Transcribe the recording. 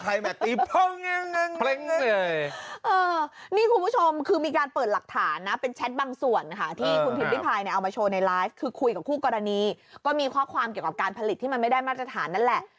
นี่คุณผู้ชมคือมีการเปิดหลักฐานนะเป็นแชทบางส่วนค่ะที่คุณพิมพิพายเนี่ยเอามาโชว์ในไลฟ์คือคุยกับคู่กรณีก็มีข้อความเกี่ยวกับการผลิตที่มันไม่ได้มาตรฐานนั่นแหละ